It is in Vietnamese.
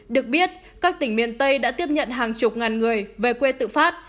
được biết các tỉnh miền tây đã tiếp nhận hàng chục ngàn người về quê tự phát